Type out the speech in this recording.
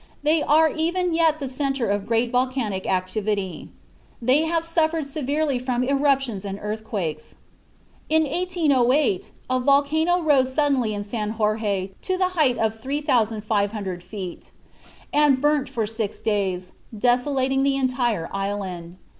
They are even yet the centre of great volcanic activity. They have suffered severely from eruptions and earthquakes. In 1808 a volcano rose suddenly in San Jorge to the height of 3500 feet, and burnt for six days, desolating the entire island.